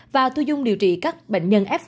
và thu dung điều trị các bệnh nhân f